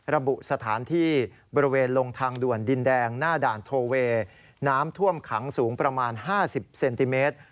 ระบุสถานที่บริเวณลงทางด่วนดินแดงหน้าด่านโทเวย์น้ำท่วมขังสูงประมาณ๕๐เซนติเมตร